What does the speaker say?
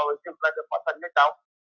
thì chúng ta được phỏa thuận như thế đó